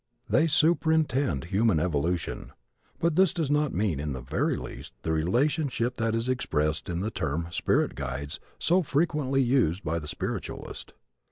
They superintend human evolution. But this does not mean in the very least the relationship that is expressed in the term "spirit guides" so frequently use by the spiritualist.